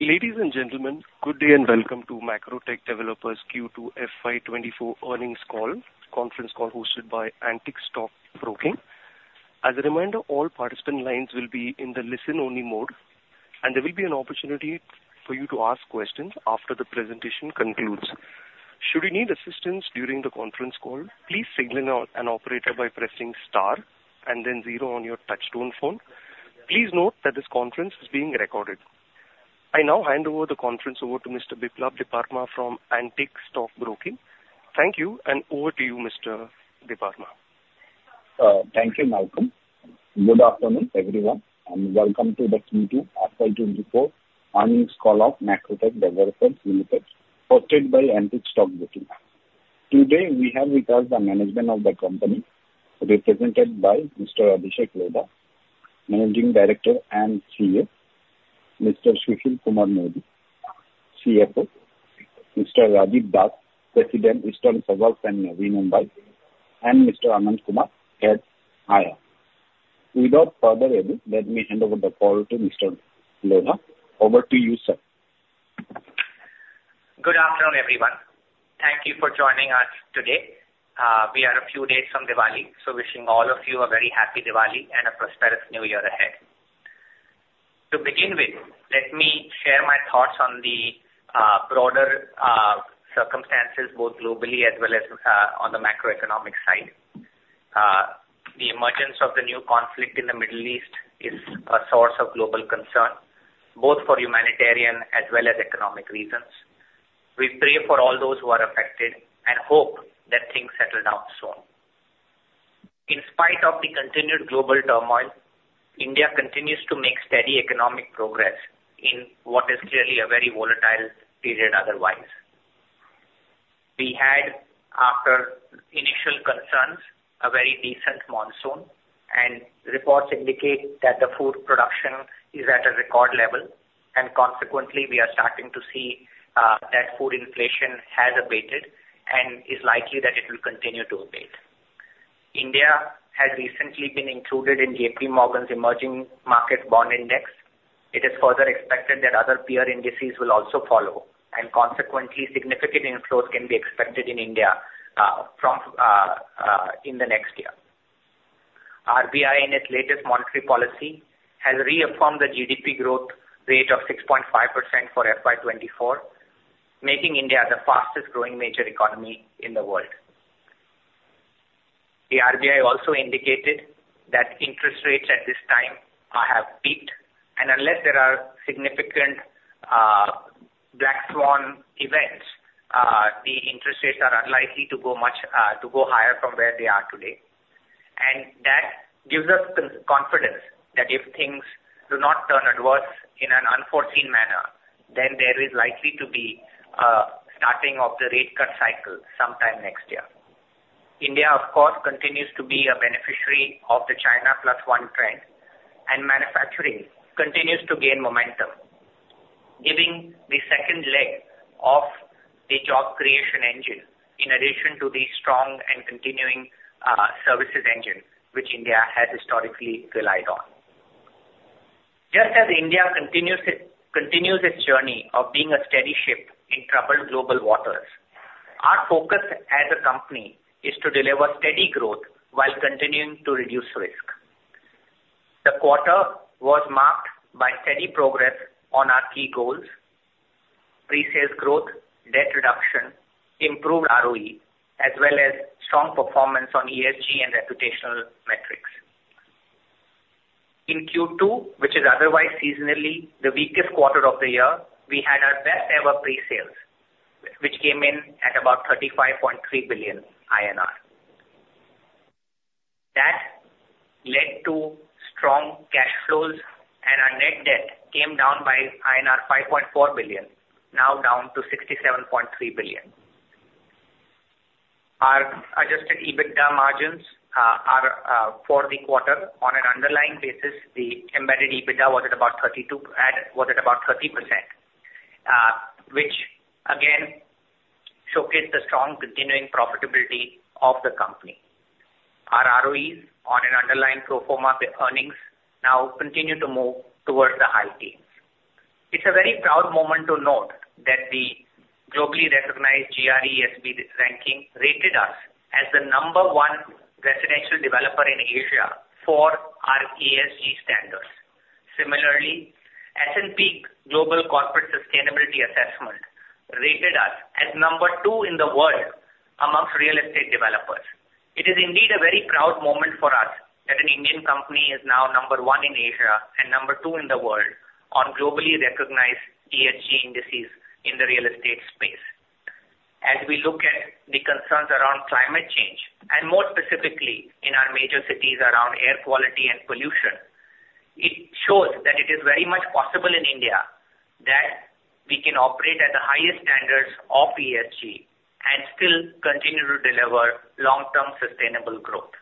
Ladies and gentlemen, good day and welcome to Macrotech Developers Q2 FY24 earnings call. Conference call hosted by Antique Stock Broking. As a reminder, all participant lines will be in the listen-only mode, and there will be an opportunity for you to ask questions after the presentation concludes. Should you need assistance during the conference call, please signal an operator by pressing star and then zero on your touchtone phone. Please note that this conference is being recorded. I now hand over the conference to Mr. Biplab Debbarma from Antique Stock Broking. Thank you, and over to you, Mr. Debbarma. Thank you, Malcolm. Good afternoon, everyone, and welcome to the Q2 FY 2024 earnings call of Macrotech Developers Limited, hosted by Antique Stock Broking. Today, we have with us the management of the company, represented by Mr. Abhishek Lodha, Managing Director and CEO, Mr. Sushil Kumar Modi, CFO, Mr. Rajeev Datta, President, Eastern Suburbs and Navi Mumbai, and Mr. Anand Kumar, Head IR. Without further ado, let me hand over the call to Mr. Lodha. Over to you, sir. Good afternoon, everyone. Thank you for joining us today. We are a few days from Diwali, so wishing all of you a very happy Diwali and a prosperous New Year ahead. To begin with, let me share my thoughts on the broader circumstances, both globally as well as on the macroeconomic side. The emergence of the new conflict in the Middle East is a source of global concern, both for humanitarian as well as economic reasons. We pray for all those who are affected and hope that things settle down soon. In spite of the continued global turmoil, India continues to make steady economic progress in what is clearly a very volatile period otherwise. We had, after initial concerns, a very decent monsoon, and reports indicate that the food production is at a record level, and consequently, we are starting to see that food inflation has abated and is likely that it will continue to abate. India has recently been included in JP Morgan's Emerging Market Bond Index. It is further expected that other peer indices will also follow, and consequently, significant inflows can be expected in India in the next year. RBI, in its latest monetary policy, has reaffirmed the GDP growth rate of 6.5% for FY 2024, making India the fastest growing major economy in the world. The RBI also indicated that interest rates at this time have peaked, and unless there are significant black swan events, the interest rates are unlikely to go much to go higher from where they are today. And that gives us confidence that if things do not turn adverse in an unforeseen manner, then there is likely to be a starting of the rate cut cycle sometime next year. India, of course, continues to be a beneficiary of the China Plus One trend, and manufacturing continues to gain momentum, giving the second leg of the job creation engine, in addition to the strong and continuing services engine, which India has historically relied on. Just as India continues its journey of being a steady ship in troubled global waters, our focus as a company is to deliver steady growth while continuing to reduce risk. The quarter was marked by steady progress on our key goals: pre-sales growth, debt reduction, improved ROE, as well as strong performance on ESG and reputational metrics. In Q2, which is otherwise seasonally the weakest quarter of the year, we had our best-ever pre-sales, which came in at about 35.3 billion INR. That led to strong cash flows, and our net debt came down by INR 5.4 billion, now down to 67.3 billion. Our adjusted EBITDA margins are for the quarter on an underlying basis, the embedded EBITDA was at about 32, was at about 30%, which again showcases the strong continuing profitability of the company. Our ROEs on an underlying pro forma earnings now continue to move towards the high teens. It's a very proud moment to note that the globally recognized GRESB ranking rated us as the number one residential developer in Asia for our ESG standards. Similarly, S&P Global Corporate Sustainability Assessment rated us as number two in the world amongst real estate developers. It is indeed a very proud moment for us that an Indian company is now number one in Asia and number two in the world on globally recognized ESG indices in the real estate space. As we look at the concerns around climate change, and more specifically in our major cities around air quality and pollution, it shows that it is very much possible in India that we can operate at the highest standards of ESG and still continue to deliver long-term sustainable growth.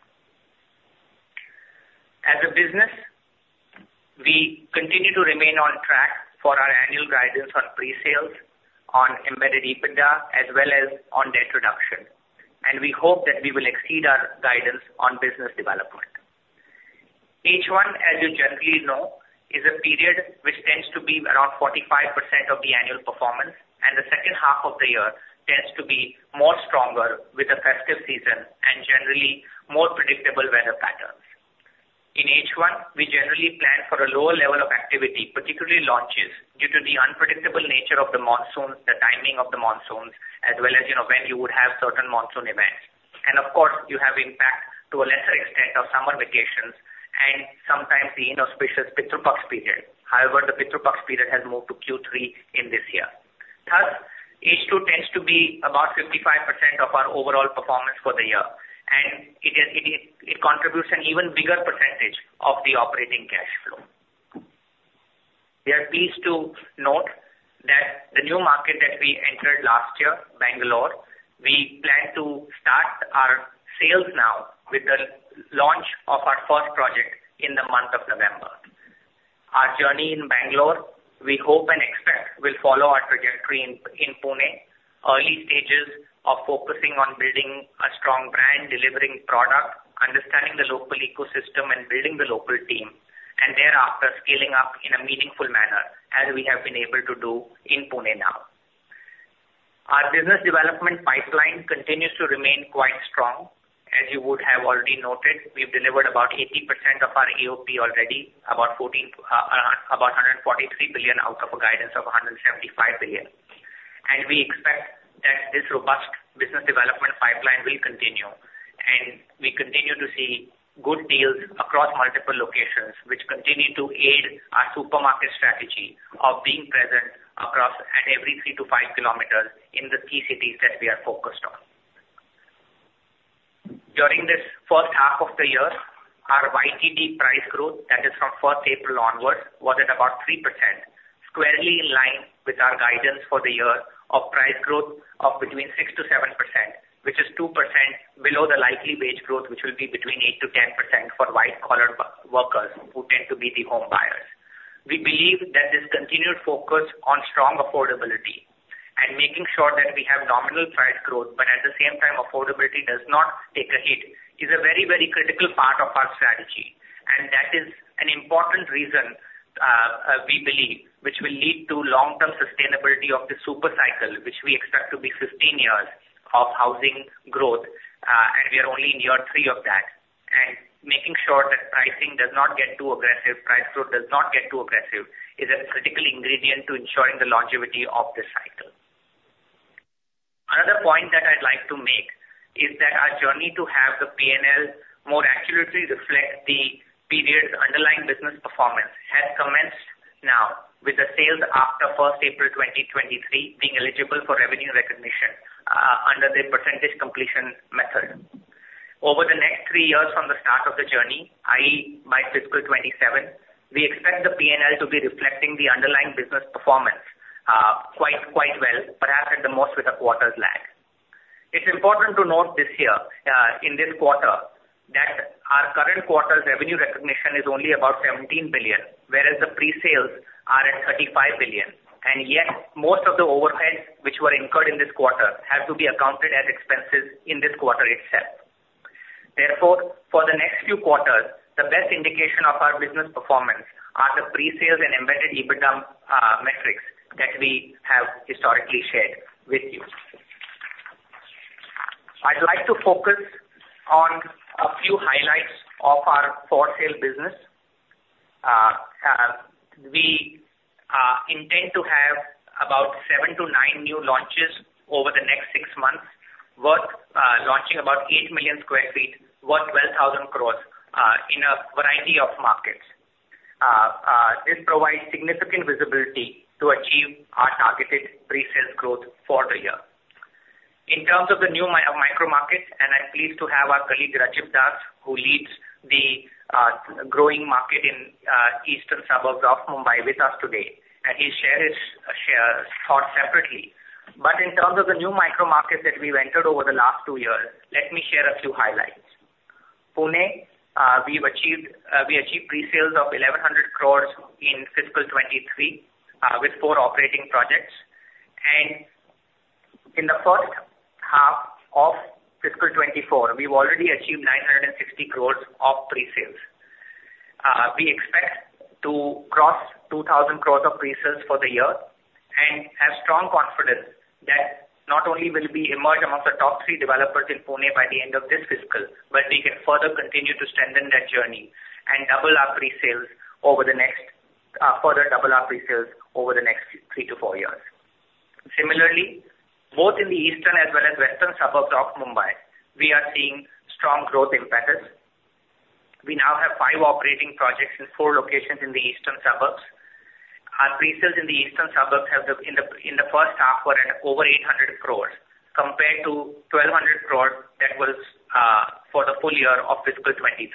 As a business, we continue to remain on track for our annual guidance on pre-sales, on embedded EBITDA, as well as on debt reduction, and we hope that we will exceed our guidance on business development. H1, as you generally know, is a period which tends to be around 45% of the annual performance, and the second half of the year tends to be more stronger with the festive season and generally more predictable weather patterns. In H1, we generally plan for a lower level of activity, particularly launches, due to the unpredictable nature of the monsoons, the timing of the monsoons, as well as, you know, when you would have certain monsoon events. And of course, you have impact to a lesser extent of summer vacations and sometimes the inauspicious Pitru Paksha period. However, the Pitru Paksha period has moved to Q3 in this year. Thus, H2 tends to be about 55% of our overall performance for the year, and it is, it contributes an even bigger percentage of the operating cash flow. We are pleased to note that the new market that we entered last year, Bangalore, we plan to start our sales now with the launch of our first project in the month of November. Our journey in Bangalore, we hope and expect, will follow our trajectory in Pune. Early stages of focusing on building a strong brand, delivering product, understanding the local ecosystem, and building the local team, and thereafter scaling up in a meaningful manner, as we have been able to do in Pune now. Our business development pipeline continues to remain quite strong. As you would have already noted, we've delivered about 80% of our AOP already, about 143 billion out of a guidance of 175 billion. We expect that this robust business development pipeline will continue, and we continue to see good deals across multiple locations, which continue to aid our supermarket strategy of being present across at every 3-5 kilometers in the key cities that we are focused on. During this first half of the year, our year-to-date price growth, that is from 1 April onwards, was at about 3%, squarely in line with our guidance for the year of price growth of between 6%-7%, which is 2% below the likely wage growth, which will be between 8%-10% for white-collar workers who tend to be the home buyers. We believe that this continued focus on strong affordability and making sure that we have nominal price growth, but at the same time affordability does not take a hit, is a very, very critical part of our strategy. And that is an important reason, we believe, which will lead to long-term sustainability of the super cycle, which we expect to be 15 years of housing growth, and we are only in year 3 of that. And making sure that pricing does not get too aggressive, price growth does not get too aggressive, is a critical ingredient to ensuring the longevity of this cycle. Another point that I'd like to make is that our journey to have the P&L more accurately reflect the period's underlying business performance has commenced now, with the sales after April 1, 2023, being eligible for revenue recognition under the percentage completion method. Over the next three years from the start of the journey, i.e., by fiscal 2027, we expect the P&L to be reflecting the underlying business performance quite, quite well, perhaps at the most with a quarter's lag. It's important to note this year, in this quarter, that our current quarter's revenue recognition is only about 17 billion, whereas the pre-sales are at 35 billion, and yet most of the overheads which were incurred in this quarter have to be accounted as expenses in this quarter itself. Therefore, for the next few quarters, the best indication of our business performance are the pre-sales and embedded EBITDA metrics that we have historically shared with you. I'd like to focus on a few highlights of our for-sale business. We intend to have about 7-9 new launches over the next six months, launching about 8 million sq ft, worth 12,000 crore, in a variety of markets. This provides significant visibility to achieve our targeted pre-sales growth for the year. In terms of the new micro markets, I'm pleased to have our colleague, Rajeev Datta, who leads the growing market in eastern suburbs of Mumbai with us today, and he'll share his thoughts separately. In terms of the new micro markets that we've entered over the last two years, let me share a few highlights. Pune, we've achieved pre-sales of 1,100 crore in fiscal 2023, with four operating projects. In the first half of fiscal 2024, we've already achieved 960 crore of pre-sales. We expect to cross 2,000 crore of pre-sales for the year and have strong confidence that not only will we emerge among the top three developers in Pune by the end of this fiscal, but we can further continue to strengthen that journey and double our pre-sales over the next—further double our pre-sales over the next three to four years. Similarly, both in the eastern as well as western suburbs of Mumbai, we are seeing strong growth impetus. We now have five operating projects in four locations in the eastern suburbs. Our pre-sales in the eastern suburbs in the first half were at over 800 crore, compared to 1,200 crore that was for the full year of fiscal 2023.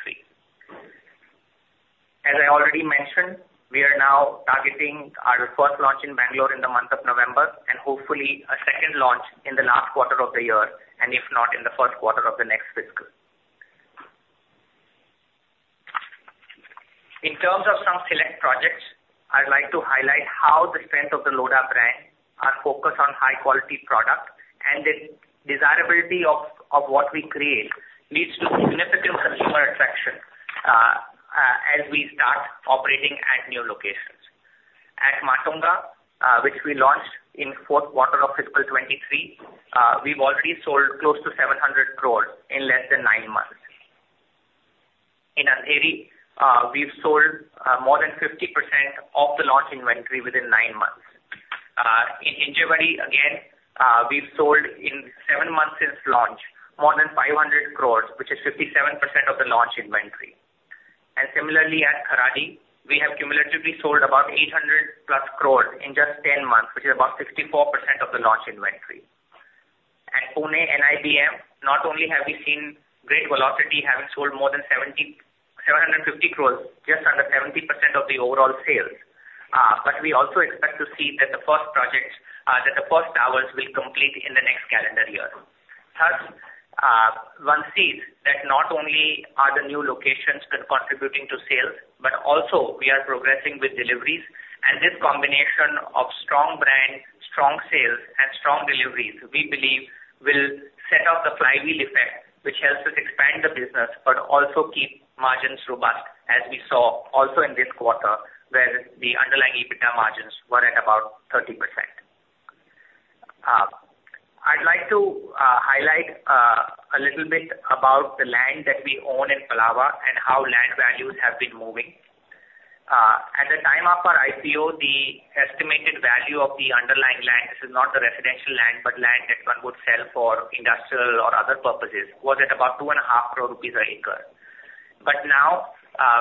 As I already mentioned, we are now targeting our first launch in Bangalore in the month of November, and hopefully a second launch in the last quarter of the year, and if not, in the first quarter of the next fiscal. In terms of some select projects, I'd like to highlight how the strength of the Lodha brand are focused on high quality product, and the desirability of what we create leads to significant consumer attraction as we start operating at new locations. At Matunga, which we launched in the fourth quarter of fiscal 2023, we've already sold close to 700 crore in less than nine months. In Andheri, we've sold more than 50% of the launch inventory within nine months. In Hinjewadi, again, we've sold in seven months since launch, more than 500 crore, which is 57% of the launch inventory. Similarly, at Kharadi, we have cumulatively sold about 800+ crore in just ten months, which is about 64% of the launch inventory. At Pune NIBM, not only have we seen great velocity, having sold more than 750 crore, just under 70% of the overall sales, we also expect to see that the first projects, that the first towers will complete in the next calendar year. Thus, one sees that not only are the new locations contributing to sales, but also we are progressing with deliveries. This combination of strong brand, strong sales, and strong deliveries, we believe will set up the flywheel effect, which helps us expand the business, but also keep margins robust, as we saw also in this quarter, where the underlying EBITDA margins were at about 30%. I'd like to highlight a little bit about the land that we own in Palava and how land values have been moving. At the time of our IPO, the estimated value of the underlying land, this is not the residential land, but land that one would sell for industrial or other purposes, was at about 2.5 crore rupees an acre. But now,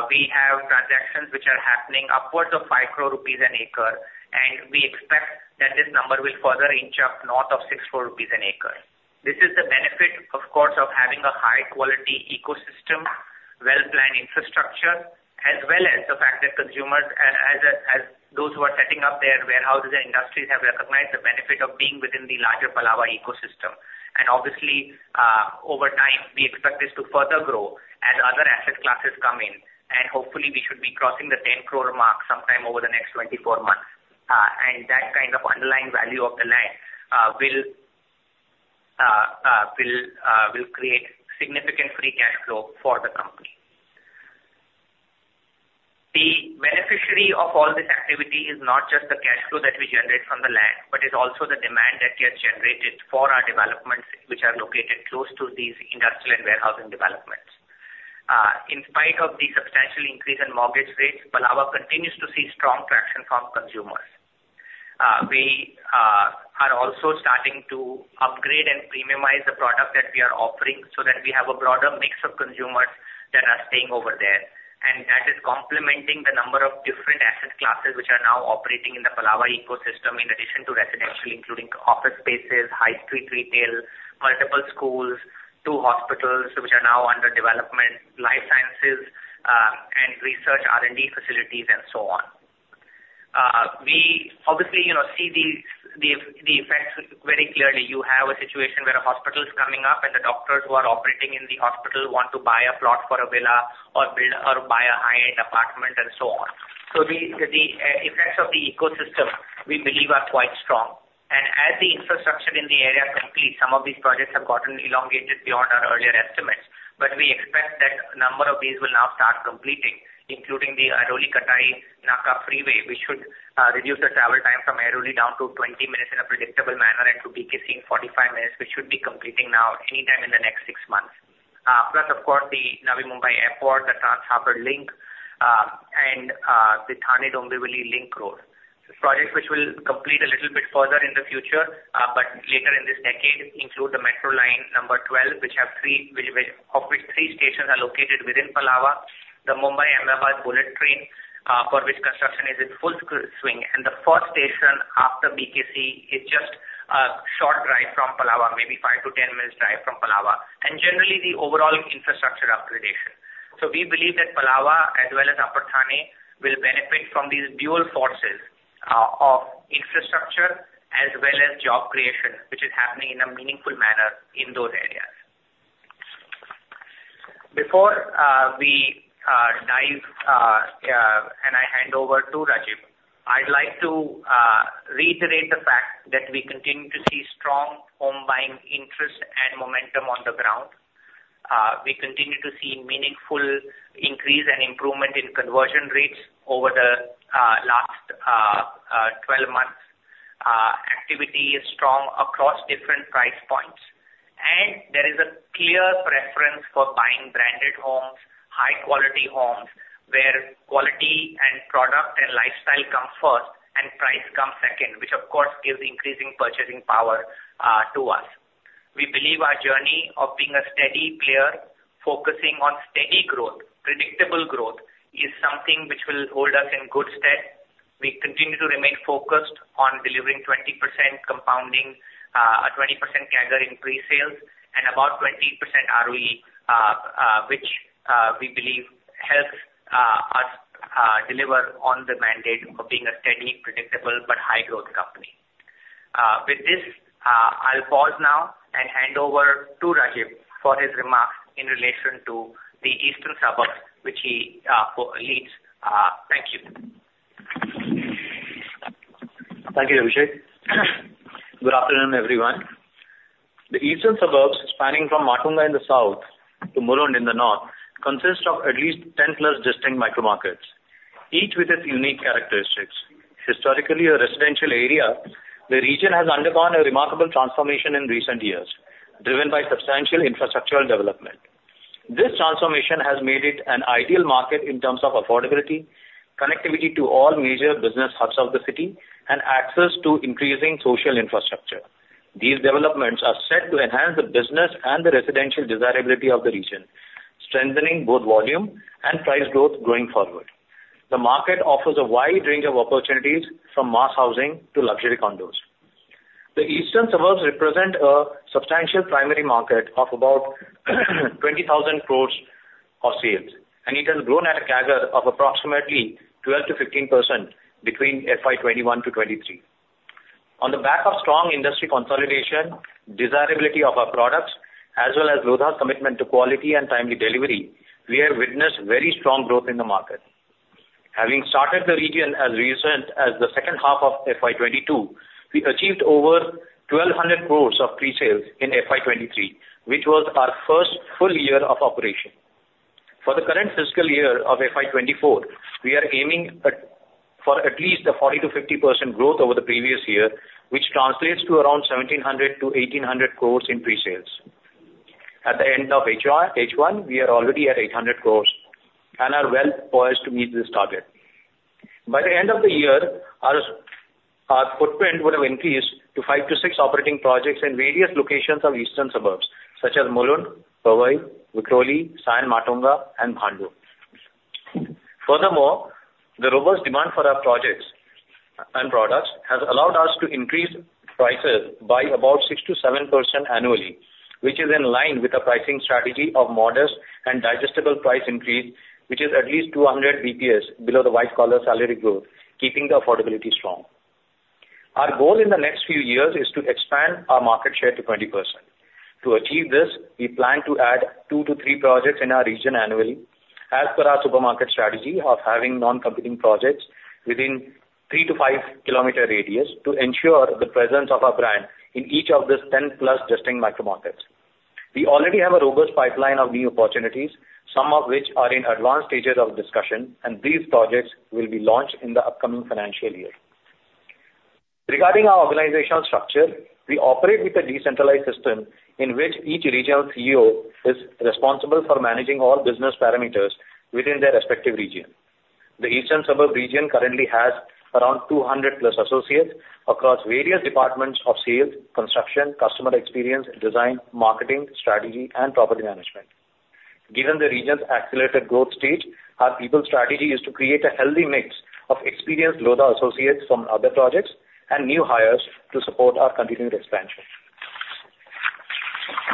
we have transactions which are happening upwards of 5 crore rupees an acre, and we expect that this number will further inch up north of 6 crore rupees an acre. This is the benefit, of course, of having a high quality ecosystem, well-planned infrastructure, as well as the fact that consumers, as those who are setting up their warehouses and industries, have recognized the benefit of being within the larger Palava ecosystem. And obviously, over time, we expect this to further grow as other asset classes come in, and hopefully we should be crossing the 10 crore mark sometime over the next 24 months. And that kind of underlying value of the land, will create significant free cash flow for the company. The beneficiary of all this activity is not just the cash flow that we generate from the land, but it's also the demand that we have generated for our developments, which are located close to these industrial and warehousing developments. In spite of the substantial increase in mortgage rates, Palava continues to see strong traction from consumers. We are also starting to upgrade and premiumize the product that we are offering so that we have a broader mix of consumers that are staying over there. That is complementing the number of different asset classes which are now operating in the Palava ecosystem, in addition to residential, including office spaces, high street retail, multiple schools, two hospitals, which are now under development, life sciences, and research R&D facilities, and so on. We obviously, you know, see these, the effects very clearly. You have a situation where a hospital is coming up, and the doctors who are operating in the hospital want to buy a plot for a villa or build or buy a high-end apartment and so on. So the effects of the ecosystem, we believe, are quite strong. And as the infrastructure in the area completes, some of these projects have gotten elongated beyond our earlier estimates, but we expect that number of these will now start completing, including the Airoli-Katai Naka Freeway, which should reduce the travel time from Airoli down to 20 minutes in a predictable manner, and to BKC in 45 minutes, which should be completing now anytime in the next 6 months. Plus, of course, the Navi Mumbai Airport, the Trans Harbour Link, and the Thane-Dombivli Link Road. The projects which will complete a little bit further in the future, but later in this decade, include the Metro Line number 12, of which three stations are located within Palava, the Mumbai-Ahmedabad Bullet Train, for which construction is in full swing, and the first station after BKC is just a short drive from Palava, maybe 5-10 minutes drive from Palava, and generally, the overall infrastructure upgradation. So we believe that Palava, as well as Upper Thane, will benefit from these dual forces, of infrastructure as well as job creation, which is happening in a meaningful manner in those areas. Before we dive and I hand over to Rajeev, I'd like to reiterate the fact that we continue to see strong home buying interest and momentum on the ground. We continue to see meaningful increase and improvement in conversion rates over the last 12 months. Activity is strong across different price points, and there is a clear preference for buying branded homes, high quality homes, where quality and product and lifestyle come first, and price comes second, which of course gives increasing purchasing power to us. We believe our journey of being a steady player, focusing on steady growth, predictable growth, is something which will hold us in good stead. We continue to remain focused on delivering 20% compounding, a 20% CAGR increase sales and about 20% ROE, which we believe helps us deliver on the mandate for being a steady, predictable, but high growth company. ...With this, I'll pause now and hand over to Rajeev for his remarks in relation to the Eastern Suburbs, which he leads. Thank you. Thank you, Abhishek. Good afternoon, everyone. The Eastern Suburbs, spanning from Matunga in the south to Mulund in the north, consist of at least 10+ distinct micro markets, each with its unique characteristics. Historically, a residential area, the region has undergone a remarkable transformation in recent years, driven by substantial infrastructural development. This transformation has made it an ideal market in terms of affordability, connectivity to all major business hubs of the city, and access to increasing social infrastructure. These developments are set to enhance the business and the residential desirability of the region, strengthening both volume and price growth going forward. The market offers a wide range of opportunities, from mass housing to luxury condos. The Eastern Suburbs represent a substantial primary market of about 20,000 crore of sales, and it has grown at a CAGR of approximately 12%-15% between FY 2021 to 2023. On the back of strong industry consolidation, desirability of our products, as well as Lodha's commitment to quality and timely delivery, we have witnessed very strong growth in the market. Having started the region as recent as the second half of FY 2022, we achieved over 1,200 crore of pre-sales in FY 2023, which was our first full year of operation. For the current fiscal year of FY 2024, we are aiming at, for at least a 40%-50% growth over the previous year, which translates to around 1,700-1,800 crores in pre-sales. At the end of H1, we are already at 800 crores and are well poised to meet this target. By the end of the year, our footprint would have increased to 5-6 operating projects in various locations of Eastern suburbs, such as Mulund, Powai, Vikhroli, Sion, Matunga, and Bhandup. Furthermore, the robust demand for our projects and products has allowed us to increase prices by about 6%-7% annually, which is in line with the pricing strategy of modest and digestible price increase, which is at least 200 basis points below the white-collar salary growth, keeping the affordability strong. Our goal in the next few years is to expand our market share to 20%. To achieve this, we plan to add 2-3 projects in our region annually as per our supermarket strategy of having non-competing projects within 3-5 km radius, to ensure the presence of our brand in each of these 10+ distinct micro markets. We already have a robust pipeline of new opportunities, some of which are in advanced stages of discussion, and these projects will be launched in the upcoming financial year. Regarding our organizational structure, we operate with a decentralized system, in which each regional CEO is responsible for managing all business parameters within their respective region. The Eastern Suburbs region currently has around 200+ associates across various departments of sales, construction, customer experience, design, marketing, strategy, and property management. Given the region's accelerated growth stage, our people strategy is to create a healthy mix of experienced Lodha associates from other projects, and new hires to support our continued expansion.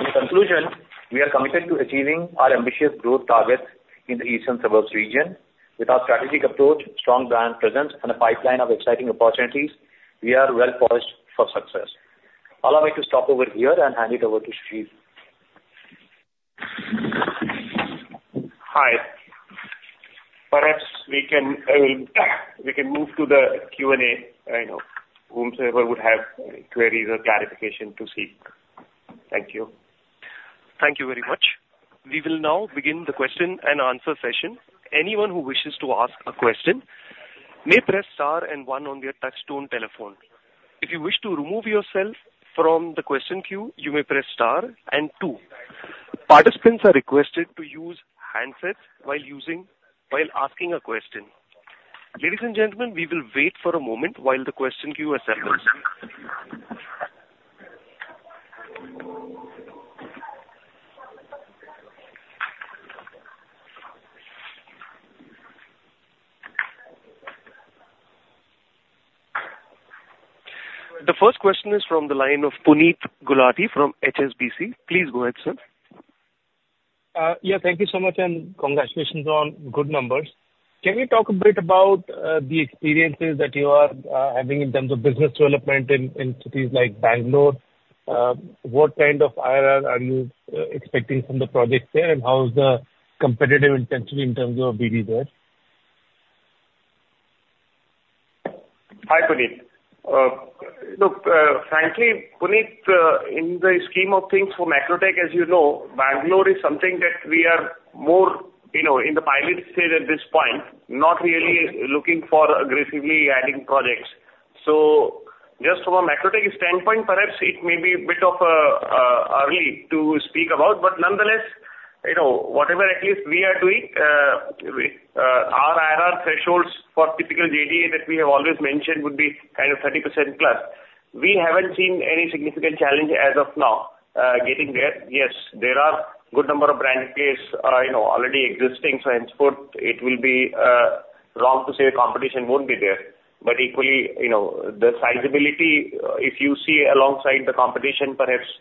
In conclusion, we are committed to achieving our ambitious growth targets in the Eastern Suburbs region. With our strategic approach, strong brand presence, and a pipeline of exciting opportunities, we are well poised for success. Allow me to stop over here and hand it over to Sushil. Hi. Perhaps we can, we can move to the Q&A, you know, whomsoever would have queries or clarification to seek. Thank you. Thank you very much. We will now begin the question and answer session. Anyone who wishes to ask a question, may press star and one on their touchtone telephone. If you wish to remove yourself from the question queue, you may press star and two. Participants are requested to use handsets while asking a question. Ladies and gentlemen, we will wait for a moment while the question queue assembles. The first question is from the line of Puneet Gulati from HSBC. Please go ahead, sir. Yeah, thank you so much, and congratulations on good numbers. Can you talk a bit about the experiences that you are having in terms of business development in cities like Bangalore? What kind of IRR are you expecting from the projects there, and how is the competitive intensity in terms of BD there? Hi, Puneet. Look, frankly, Puneet, in the scheme of things for Macrotech, as you know, Bangalore is something that we are more, you know, in the pilot stage at this point, not really looking for aggressively adding projects. So just from a Macrotech standpoint, perhaps it may be a bit of early to speak about, but nonetheless, you know, whatever at least we are doing, our IRR thresholds for typical JDA that we have always mentioned would be kind of 30%+. We haven't seen any significant challenge as of now, getting there. Yes, there are good number of brand plays, you know, already existing, so henceforth, it will be wrong to say the competition won't be there. But equally, you know, the sizeability, if you see alongside the competition, perhaps- ...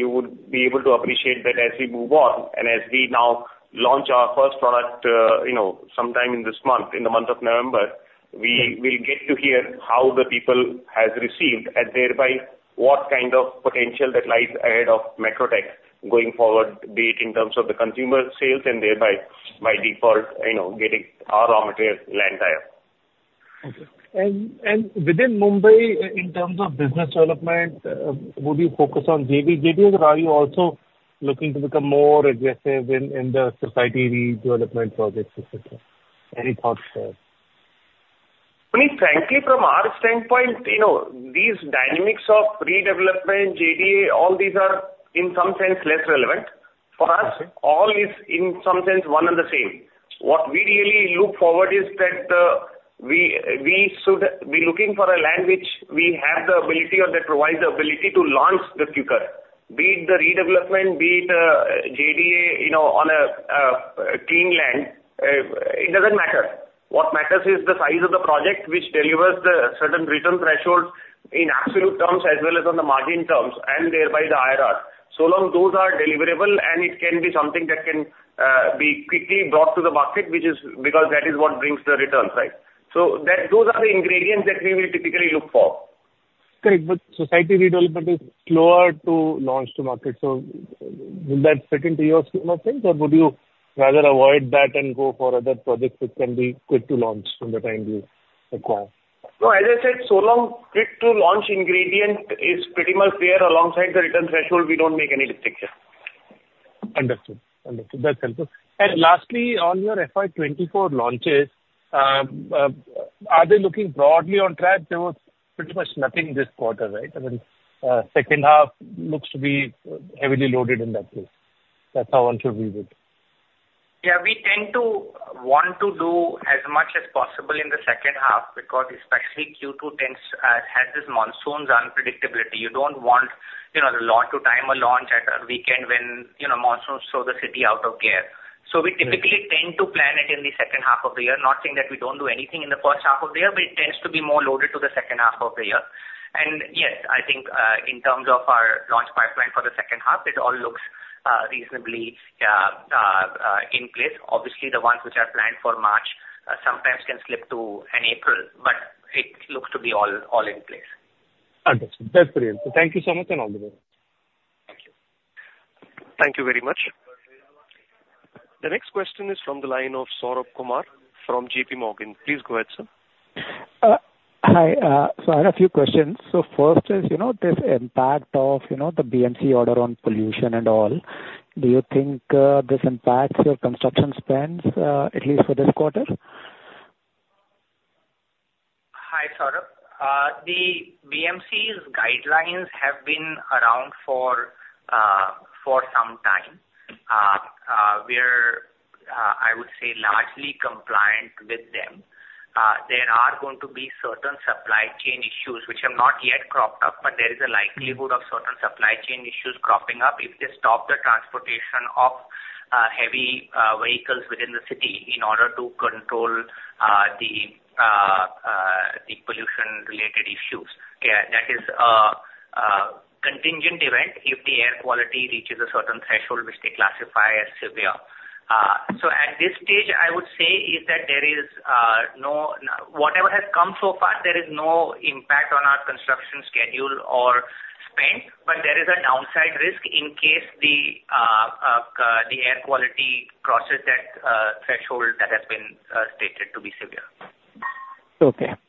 you would be able to appreciate that as we move on, and as we now launch our first product, you know, sometime in this month, in the month of November, we will get to hear how the people has received and thereby what kind of potential that lies ahead of Macrotech going forward, be it in terms of the consumer sales and thereby, by default, you know, getting our raw material land tire. Okay. And within Mumbai, in terms of business development, would you focus on JDA, or are you also looking to become more aggressive in the society redevelopment projects, et cetera? Any thoughts there? I mean, frankly, from our standpoint, you know, these dynamics of redevelopment, JDA, all these are, in some sense, less relevant. For us- Okay. All is, in some sense, one and the same. What we really look forward is that, we, we should be looking for a land which we have the ability or that provides the ability to launch the quicker. Be it the redevelopment, be it, JDA, you know, on a clean land, it doesn't matter. What matters is the size of the project, which delivers the certain return threshold in absolute terms, as well as on the margin terms, and thereby the IRR. So long those are deliverable, and it can be something that can be quickly brought to the market, which is because that is what brings the returns, right? So that, those are the ingredients that we will typically look for. Great, but society redevelopment is slower to launch to market. Will that fit into your scheme of things, or would you rather avoid that and go for other projects which can be quick to launch from the time you acquire? No, as I said, so long quick to launch ingredient is pretty much there alongside the return threshold, we don't make any distinction. Understood. Understood. That's helpful. And lastly, on your FY24 launches, are they looking broadly on track? There was pretty much nothing this quarter, right? I mean, second half looks to be heavily loaded in that place. That's how one should view it. Yeah, we tend to want to do as much as possible in the second half, because especially Q2 tends, has this monsoon's unpredictability. You don't want, you know, to time a launch at a weekend when, you know, monsoons slow the city out of gear. Mm-hmm. So we typically tend to plan it in the second half of the year. Not saying that we don't do anything in the first half of the year, but it tends to be more loaded to the second half of the year. And yes, I think, in terms of our launch pipeline for the second half, it all looks reasonably in place. Obviously, the ones which are planned for March sometimes can slip to in April, but it looks to be all, all in place. Understood. That's great. So thank you so much and all the best. Thank you. Thank you very much. The next question is from the line of Saurabh Kumar from JP Morgan. Please go ahead, sir. Hi. I had a few questions. First is, you know, this impact of, you know, the BMC order on pollution and all. Do you think this impacts your construction spends at least for this quarter? Hi, Saurabh. The BMC's guidelines have been around for some time. We're largely compliant with them. There are going to be certain supply chain issues which have not yet cropped up, but there is a likelihood- Mm-hmm. of certain supply chain issues cropping up if they stop the transportation of heavy vehicles within the city in order to control the pollution-related issues. Yeah, that is a contingent event if the air quality reaches a certain threshold which they classify as severe. So at this stage, I would say is that there is no... Whatever has come so far, there is no impact on our construction schedule or spend, but there is a downside risk in case the air quality crosses that threshold that has been stated to be severe. Okay,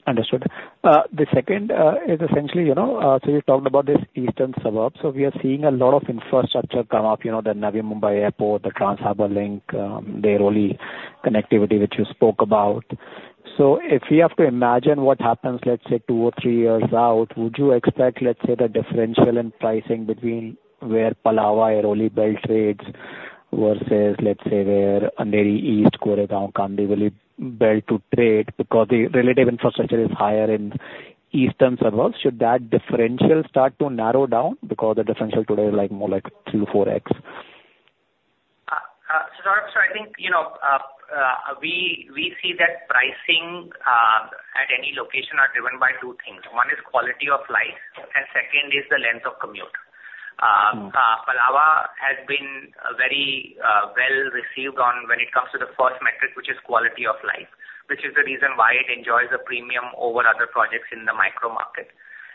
understood. The second is essentially, you know, so you talked about this eastern suburbs. So we are seeing a lot of infrastructure come up, you know, the Navi Mumbai Airport, the Trans Harbour Link, the Airoli connectivity, which you spoke about. So if we have to imagine what happens, let's say, two or three years out, would you expect, let's say, the differential in pricing between where Palava-Airoli belt trades versus, let's say, where Andheri East, Goregaon, Kandivali belt to trade, because the relative infrastructure is higher in eastern suburbs. Should that differential start to narrow down? Because the differential today is like more like 2-4x. So Saurabh, so I think, you know, we see that pricing at any location are driven by two things. One is quality of life, and second is the length of commute. Mm. Palava has been very well received on when it comes to the first metric, which is quality of life, which is the reason why it enjoys a premium over other projects in the micro market.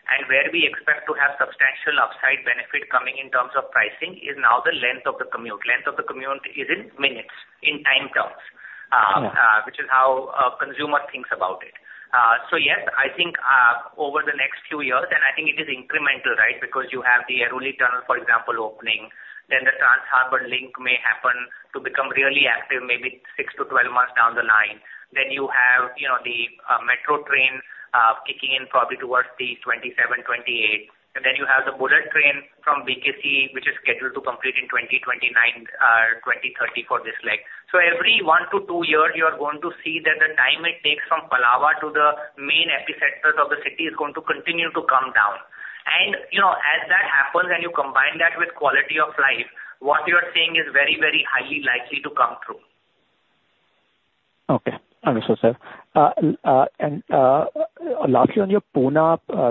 And where we expect to have substantial upside benefit coming in terms of pricing, is now the length of the commute. Length of the commute is in minutes, in time terms- Mm. which is how a consumer thinks about it. So yes, I think, over the next few years, and I think it is incremental, right? Because you have the Airoli tunnel, for example, opening, then the Trans Harbour Link may happen to become really active, maybe 6-12 months down the line. Then you have, you know, the metro train kicking in probably towards the 2027, 2028. And then you have the bullet train from BKC, which is scheduled to complete in 2029, 2030 for this leg. So every 1-2 years, you are going to see that the time it takes from Palava to the main epicenters of the city is going to continue to come down. You know, as that happens, and you combine that with quality of life, what you are seeing is very, very highly likely to come through.... I'm so sorry. Lastly, on your Pune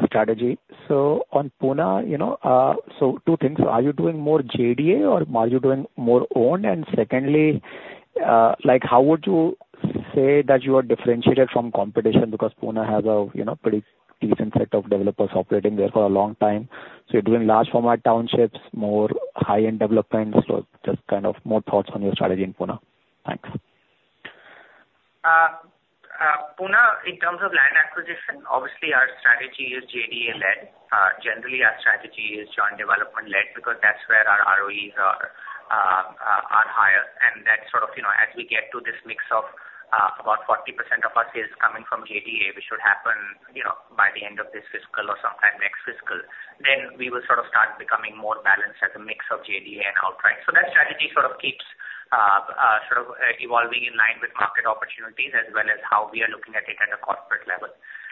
strategy. So on Pune, you know, so two things: Are you doing more JDA or are you doing more own? And secondly, like, how would you say that you are differentiated from competition? Because Pune has a you know pretty decent set of developers operating there for a long time. So you're doing large format townships, more high-end developments or just kind of more thoughts on your strategy in Pune? Thanks. Pune, in terms of land acquisition, obviously, our strategy is JDA-led. Generally, our strategy is joint development-led, because that's where our ROEs are higher. And that sort of, you know, as we get to this mix of about 40% of our sales coming from JDA, which should happen, you know, by the end of this fiscal or sometime next fiscal, then we will sort of start becoming more balanced as a mix of JDA and outright. So that strategy sort of keeps evolving in line with market opportunities as well as how we are looking at it at a corporate level.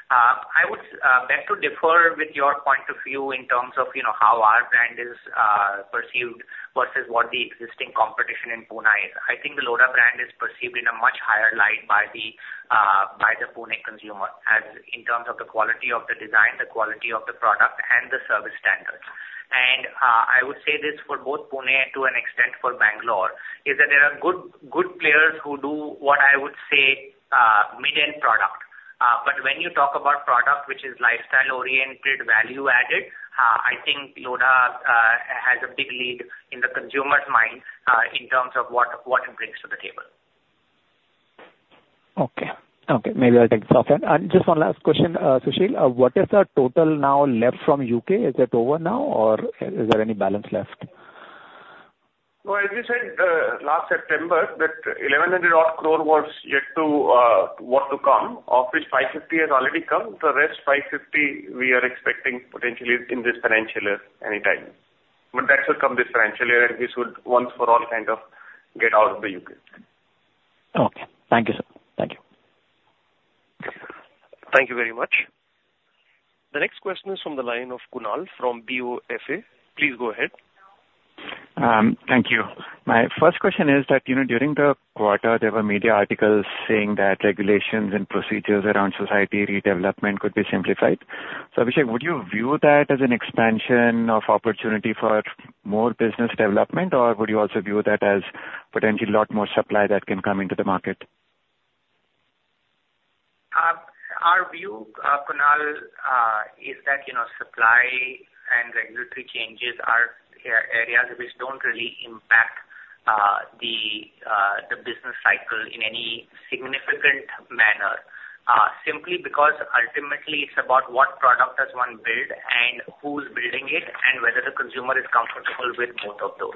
I would beg to differ with your point of view in terms of, you know, how our brand is perceived versus what the existing competition in Pune is. I think the Lodha brand is perceived in a much higher light by the Pune consumer, as in terms of the quality of the design, the quality of the product, and the service standards. And I would say this for both Pune and to an extent for Bangalore, is that there are good, good players who do what I would say mid-end product. But when you talk about product, which is lifestyle-oriented, value-added, I think Lodha has a big lead in the consumer's mind, in terms of what it brings to the table. Okay. Okay, maybe I'll take this offline. And just one last question, Sushil. What is the total now left from UK? Is it over now, or is there any balance left? No, as we said, last September, that 1,100 crore was yet to, was to come, of which 550 crore has already come. The rest, 550 crore, we are expecting potentially in this financial year, anytime. But that should come this financial year, and this would once for all kind of get out of the U.K. Okay. Thank you, sir. Thank you. Thank you very much. The next question is from the line of Kunal from BofA. Please go ahead. Thank you. My first question is that, you know, during the quarter, there were media articles saying that regulations and procedures around society redevelopment could be simplified. So Abhishek, would you view that as an expansion of opportunity for more business development, or would you also view that as potentially a lot more supply that can come into the market? Our view, Kunal, is that, you know, supply and regulatory changes are areas which don't really impact the business cycle in any significant manner. Simply because ultimately it's about what product does one build and who's building it, and whether the consumer is comfortable with both of those.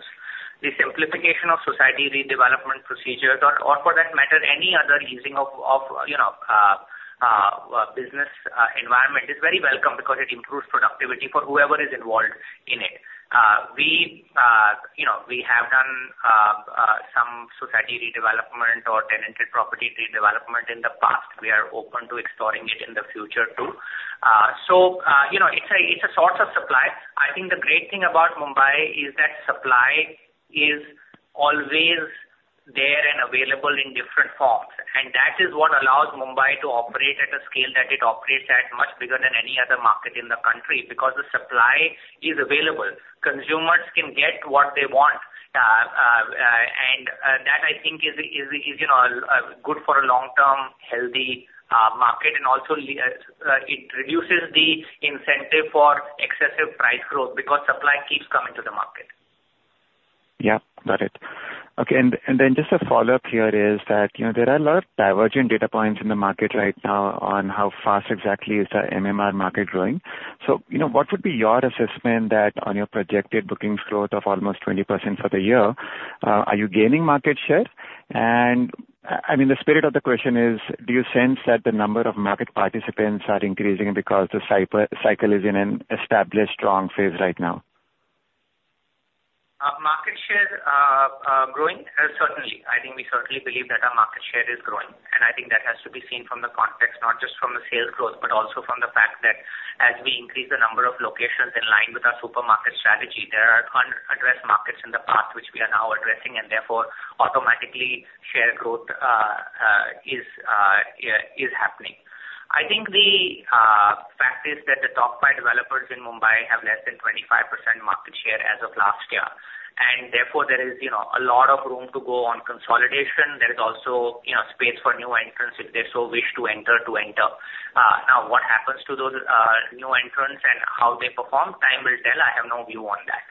The simplification of society redevelopment procedures or, for that matter, any other easing of the business environment is very welcome because it improves productivity for whoever is involved in it. We, you know, we have done some society redevelopment or tenanted property redevelopment in the past. We are open to exploring it in the future, too. So, you know, it's a source of supply. I think the great thing about Mumbai is that supply is always there and available in different forms, and that is what allows Mumbai to operate at a scale that it operates at, much bigger than any other market in the country, because the supply is available. Consumers can get what they want, and that, I think, is, you know, good for a long-term, healthy market. And also, it reduces the incentive for excessive price growth because supply keeps coming to the market. Yeah, got it. Okay, and then just a follow-up here is that, you know, there are a lot of divergent data points in the market right now on how fast exactly is the MMR market growing. So, you know, what would be your assessment that on your projected bookings growth of almost 20% for the year, are you gaining market share? And, I mean, the spirit of the question is: Do you sense that the number of market participants are increasing because the cycle is in an established strong phase right now? Market share growing? Certainly. I think we certainly believe that our market share is growing, and I think that has to be seen from the context, not just from the sales growth, but also from the fact that as we increase the number of locations in line with our supermarket strategy, there are unaddressed markets in the past, which we are now addressing, and therefore, automatically, share growth is, yeah, is happening. I think the fact is that the top five developers in Mumbai have less than 25% market share as of last year, and therefore, there is, you know, a lot of room to go on consolidation. There is also, you know, space for new entrants, if they so wish to enter, to enter. Now, what happens to those new entrants and how they perform, time will tell. I have no view on that.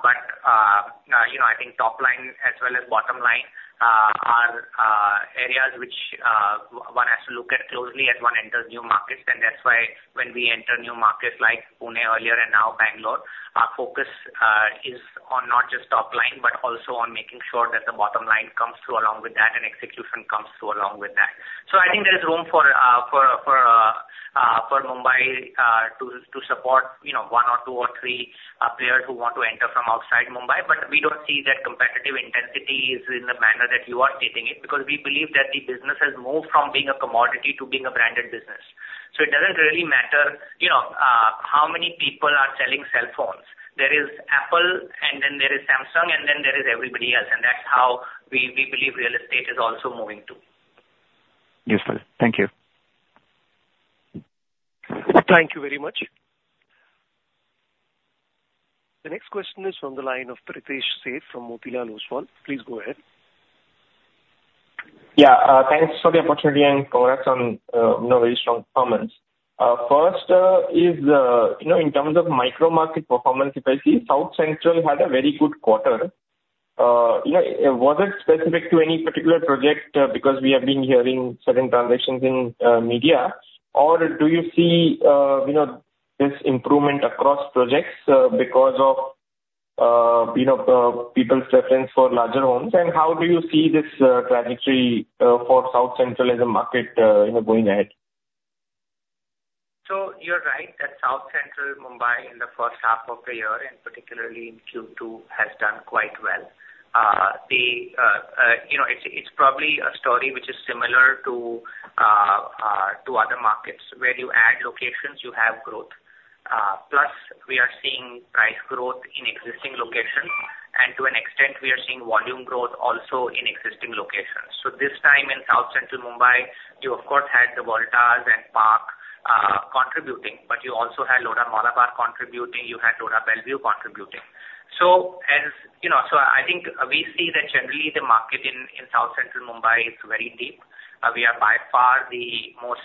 But, you know, I think top line as well as bottom line are areas which one has to look at closely as one enters new markets. And that's why when we enter new markets like Pune earlier and now Bangalore, our focus is on not just top line, but also on making sure that the bottom line comes through along with that, and execution comes through along with that. So I think there is room for Mumbai to support, you know, one or two or three players who want to enter from outside Mumbai. But we don't see that competitive intensity is in the manner that you are stating it, because we believe that the business has moved from being a commodity to being a branded business. So it doesn't really matter, you know, how many people are selling cell phones. There is Apple, and then there is Samsung, and then there is everybody else, and that's how we, we believe real estate is also moving, too. Yes, sir. Thank you. Thank you very much. The next question is from the line of Pritesh Sheth from Motilal Oswal. Please go ahead. Yeah, thanks for the opportunity, and congrats on, you know, very strong comments. First, is, you know, in terms of micro market performance, if I see, South Central had a very good quarter. Yeah, was it specific to any particular project, because we have been hearing certain transactions in, media? Or do you see, you know, this improvement across projects, because of, you know, people's preference for larger homes? And how do you see this, trajectory, for South Central as a market, you know, going ahead? So you're right that South Central Mumbai, in the first half of the year, and particularly in Q2, has done quite well. You know, it's probably a story which is similar to other markets, where you add locations, you have growth. Plus, we are seeing price growth in existing locations, and to an extent, we are seeing volume growth also in existing locations. So this time in South Central Mumbai, you of course had the World Towers and Park contributing, but you also had Lodha Malabar contributing, you had Lodha Bellevue contributing. So as... You know, so I think we see that generally, the market in South Central Mumbai is very deep. We are by far the most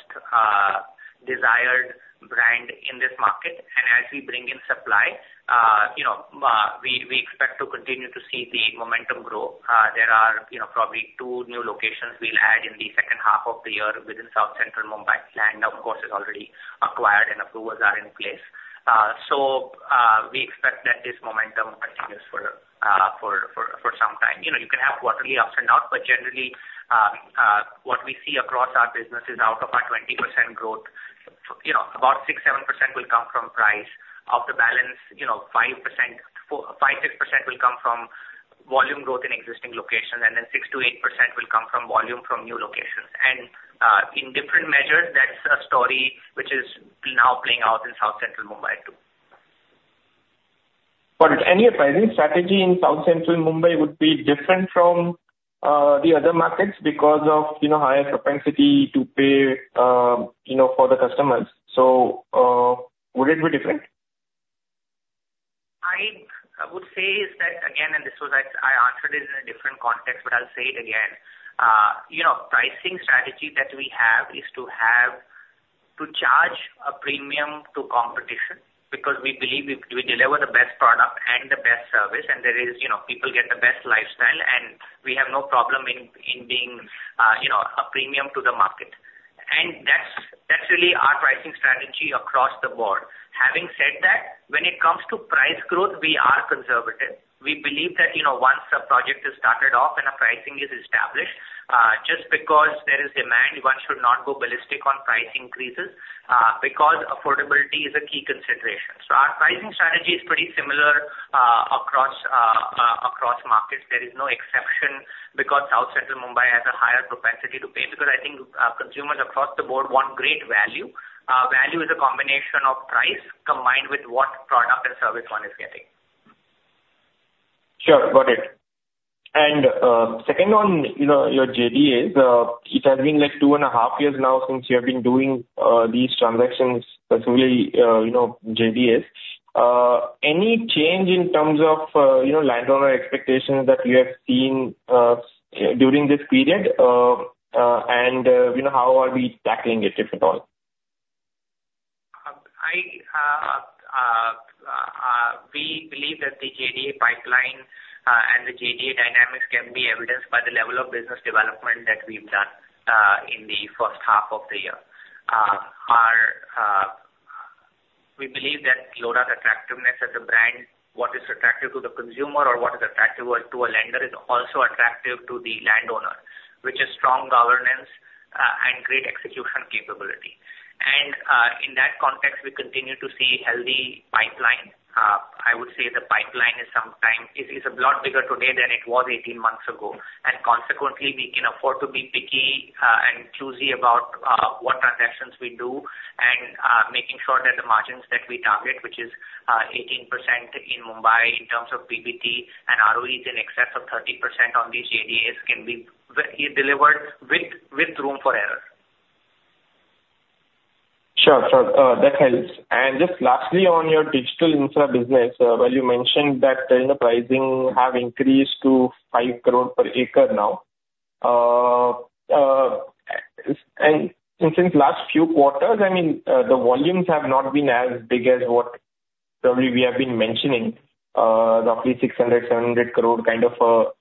desired brand in this market. As we bring in supply, you know, we expect to continue to see the momentum grow. There are, you know, probably two new locations we'll add in the second half of the year within South Central Mumbai. Land, of course, is already acquired and approvals are in place. So, we expect that this momentum continues for some time. You know, you can have quarterly ups and downs, but generally, what we see across our business is out of our 20% growth, you know, about 6-7% will come from price. Of the balance, you know, 5%, 4-5, 6% will come from volume growth in existing locations, and then 6%-8% will come from volume from new locations. In different measures, that's a story which is now playing out in South Central Mumbai, too. But any pricing strategy in South Central Mumbai would be different from the other markets because of, you know, higher propensity to pay, you know, for the customers. So, would it be different? I would say that, again, and this was I answered it in a different context, but I'll say it again. You know, the pricing strategy that we have is to have to charge a premium to competition, because we believe we deliver the best product and the best service, and there is, you know, people get the best lifestyle, and we have no problem in being, you know, a premium to the market. And that's really our pricing strategy across the board. Having said that, when it comes to price growth, we are conservative. We believe that, you know, once a project is started off and a pricing is established, just because there is demand, one should not go ballistic on price increases, because affordability is a key consideration. So our pricing strategy is pretty similar across markets. There is no exception, because South Central Mumbai has a higher propensity to pay, because I think, consumers across the board want great value. Value is a combination of price combined with what product and service one is getting. Sure, got it. And, second on, you know, your JDs, it has been, like, two and a half years now since you have been doing these transactions, particularly, you know, JDs. And, you know, how are we tackling it, if at all? We believe that the JDA pipeline and the JDA dynamics can be evidenced by the level of business development that we've done in the first half of the year. We believe that Lodha's attractiveness as a brand, what is attractive to the consumer or what is attractive to a lender, is also attractive to the landowner, which is strong governance and great execution capability. In that context, we continue to see healthy pipeline. I would say the pipeline is sometimes a lot bigger today than it was 18 months ago. Consequently, we can afford to be picky and choosy about what transactions we do, and making sure that the margins that we target, which is 18% in Mumbai in terms of PBT and ROEs in excess of 30% on these JDAs, can be delivered with room for error. Sure. Sure, that helps. And just lastly, on your digital infra business, where you mentioned that, you know, the pricing have increased to 5 crore per acre now. And since last few quarters, I mean, the volumes have not been as big as what probably we have been mentioning, roughly 600-700 crore kind of a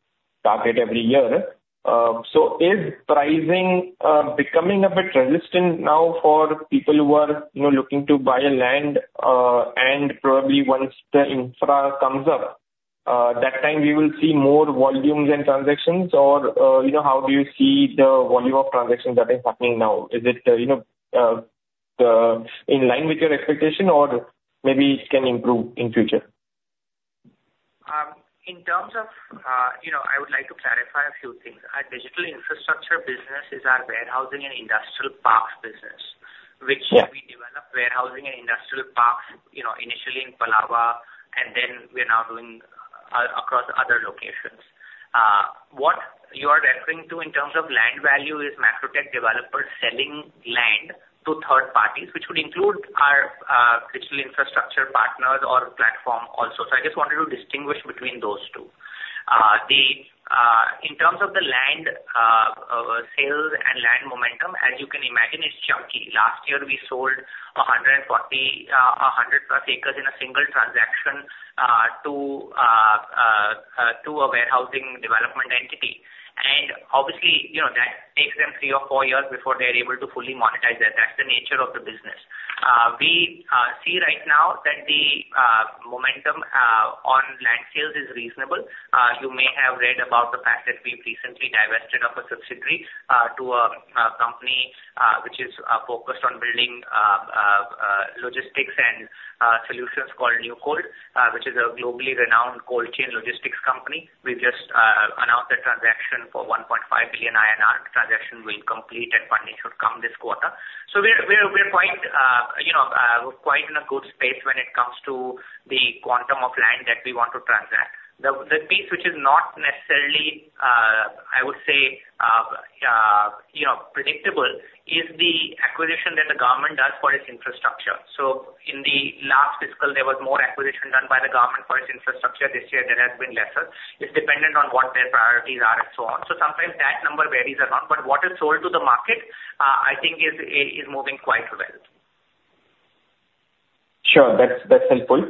target every year. So is pricing becoming a bit resistant now for people who are, you know, looking to buy a land, and probably once the infra comes up, that time we will see more volumes and transactions? Or, you know, how do you see the volume of transactions that is happening now? Is it, you know, in line with your expectation or maybe it can improve in future? ...In terms of, you know, I would like to clarify a few things. Our digital infrastructure business is our warehousing and industrial parks business, which we develop warehousing and industrial parks, you know, initially in Palava, and then we are now doing, across other locations. What you are referring to in terms of land value is Macrotech Developers selling land to third parties, which would include our, digital infrastructure partners or platform also. So I just wanted to distinguish between those two. In terms of the land, sales and land momentum, as you can imagine, it's chunky. Last year, we sold a hundred and forty, a hundred plus acres in a single transaction, to, to a warehousing development entity. Obviously, you know, that takes them three or four years before they're able to fully monetize that. That's the nature of the business. We see right now that the momentum on land sales is reasonable. You may have read about the fact that we've recently divested of a subsidiary to a company which is focused on building logistics and solutions called NewCold, which is a globally renowned cold chain logistics company. We've just announced the transaction for 1.5 billion INR. The transaction will complete and funding should come this quarter. So we're quite, you know, in a good space when it comes to the quantum of land that we want to transact. The piece, which is not necessarily, I would say, you know, predictable, is the acquisition that the government does for its infrastructure. So in the last fiscal, there was more acquisition done by the government for its infrastructure. This year, there has been lesser. It's dependent on what their priorities are and so on. So sometimes that number varies a lot, but what is sold to the market, I think is moving quite well. Sure. That's, that's helpful.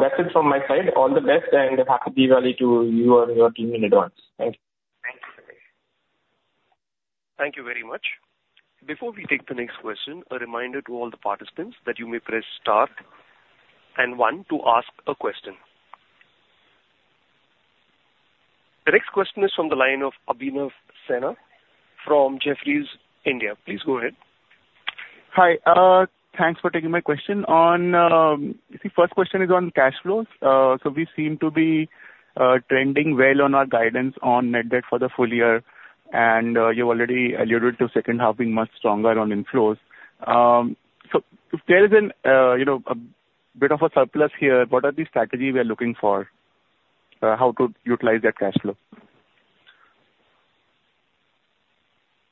That's it from my side. All the best, and happy Diwali to you and your team in advance. Thank you. Thank you, Pritesh. Thank you very much. Before we take the next question, a reminder to all the participants that you may press star and one to ask a question. The next question is from the line of Abhinav Sinha from Jefferies, India. Please go ahead. Hi, thanks for taking my question. On, the first question is on cash flows. So we seem to be, trending well on our guidance on net debt for the full year, and, you already alluded to second half being much stronger on inflows. So if there is an, you know, a bit of a surplus here, what are the strategy we are looking for, how to utilize that cash flow?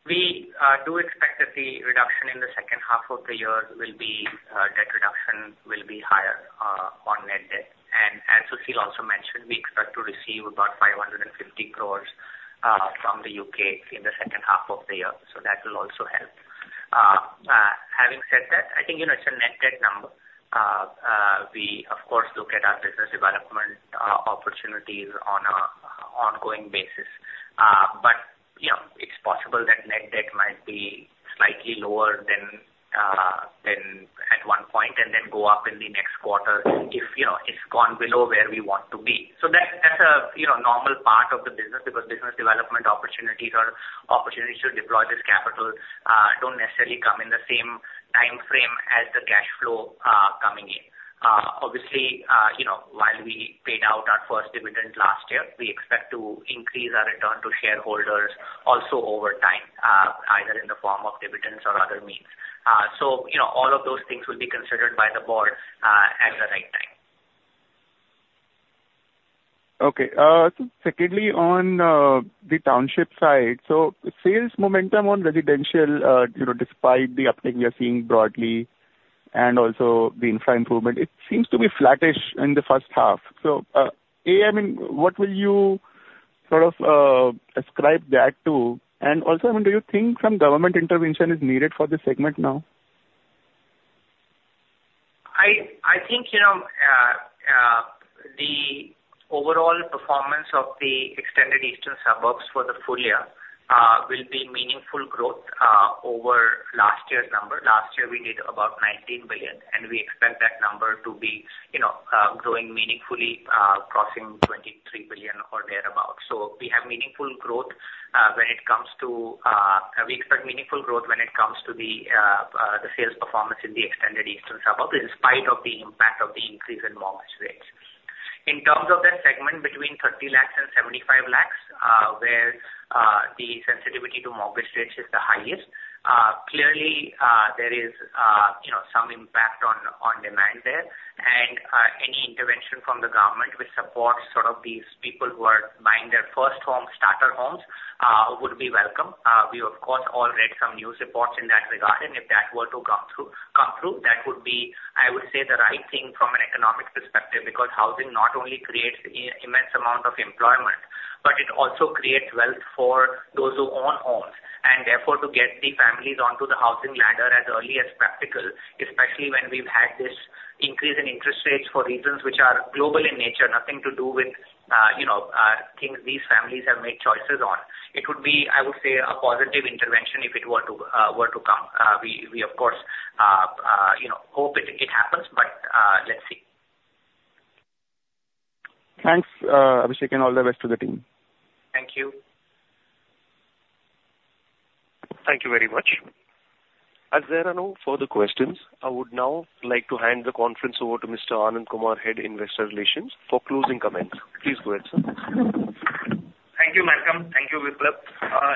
We do expect that the reduction in the second half of the year will be, debt reduction will be higher, on net debt. And as Sushil also mentioned, we expect to receive about 550 crore from the UK in the second half of the year, so that will also help. Having said that, I think, you know, it's a net debt number. We, of course, look at our business development opportunities on a ongoing basis. But yeah, it's possible that net debt might be slightly lower than, than at one point, and then go up in the next quarter if, you know, it's gone below where we want to be. So, that's, you know, normal part of the business, because business development opportunities or opportunities to deploy this capital don't necessarily come in the same timeframe as the cash flow coming in. Obviously, you know, while we paid out our first dividend last year, we expect to increase our return to shareholders also over time, either in the form of dividends or other means. So, you know, all of those things will be considered by the board at the right time. Okay. Secondly, on the township side, so sales momentum on residential, you know, despite the uptick we are seeing broadly and also the infra improvement, it seems to be flattish in the first half. So, I mean, what will you sort of ascribe that to? And also, I mean, do you think some government intervention is needed for this segment now? I think, you know, the overall performance of the Extended Eastern Suburbs for the full year will be meaningful growth over last year's number. Last year, we did about 19 billion, and we expect that number to be, you know, growing meaningfully, crossing 23 billion or thereabout. So we have meaningful growth when it comes to... We expect meaningful growth when it comes to the sales performance in the Extended Eastern Suburbs, in spite of the impact of the increase in mortgage rates. In terms of that segment between 30 lakhs and 75 lakhs, where the sensitivity to mortgage rates is the highest, clearly, you know, some impact on demand there. Any intervention from the government which supports sort of these people who are buying their first home, starter homes, would be welcome. We, of course, all read some news reports in that regard, and if that were to come through, come through, that would be, I would say, the right thing from an economic perspective, because housing not only creates immense amount of employment, but it also creates wealth for those who own homes, and therefore, to get the families onto the housing ladder as early as practical, especially when we've had this increase in interest rates for reasons which are global in nature, nothing to do with, you know, things these families have made choices on. It would be, I would say, a positive intervention if it were to, were to come. We, of course, you know, hope it happens, but let's see. Thanks, Abhishek, and all the best to the team. Thank you. Thank you very much. As there are no further questions, I would now like to hand the conference over to Mr. Anand Kumar, Head Investor Relations, for closing comments. Please go ahead, sir. Thank you, Malcolm. Thank you, Biplab.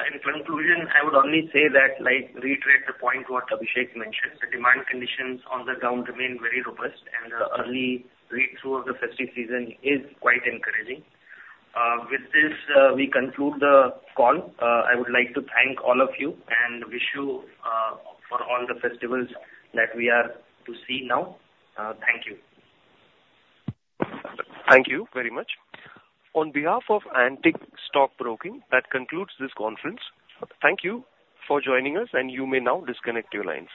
In conclusion, I would only say that, like, reiterate the point what Abhishek mentioned, the demand conditions on the ground remain very robust, and the early read-through of the festive season is quite encouraging. With this, we conclude the call. I would like to thank all of you and wish you for all the festivals that we are to see now. Thank you. Thank you very much. On behalf of Antique Stock Broking, that concludes this conference. Thank you for joining us, and you may now disconnect your lines.